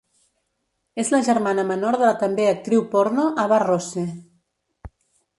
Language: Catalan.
És la germana menor de la també actriu porno Ava Rose.